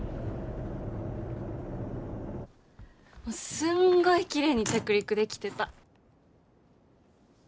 すんごいきれいに着陸できてた。